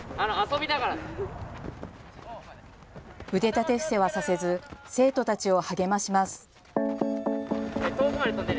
腕立て伏せはさせず生徒たちを励まします。